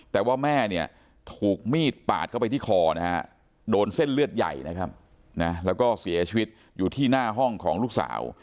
แต่ว่าแม่เนี่ยถูกมีดปาดเข้าไปที่คอนะฮะโดนเส้นเลือดใหญ่นะครับแล้วก็เสียชีวิตอยู่ที่หน้าห้องของลูกสาว